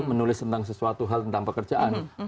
menulis tentang sesuatu hal tentang pekerjaan